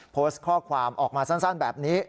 โพสต์ข้อความออกมาสั้นแบบนี้